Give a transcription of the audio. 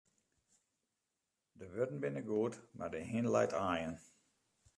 De wurden binne goed, mar de hin leit aaien.